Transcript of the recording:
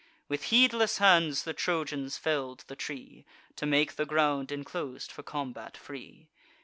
With heedless hands the Trojans fell'd the tree, To make the ground enclos'd for combat free.